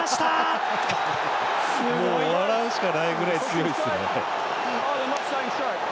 アハハハ笑うしかないくらい強いですよね。